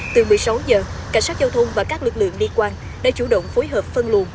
từ một mươi sáu giờ cảnh sát giao thông và các lực lượng liên quan đã chủ động phối hợp phân luồn